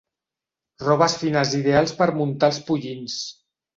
Robes fines ideals per muntar els pollins.